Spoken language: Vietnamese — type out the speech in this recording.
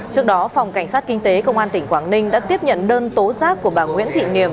trước đó phòng cảnh sát kinh tế công an tỉnh quảng ninh đã tiếp nhận đơn tố giác của bà nguyễn thị niềm